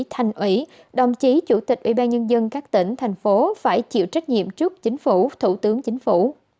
thanh ủy đồng chí chủ tịch ubnd các tỉnh thành phố phải chịu trách nhiệm trước chính phủ thủ tướng chính phủ